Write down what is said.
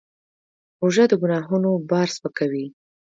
روژه د ګناهونو بار سپکوي.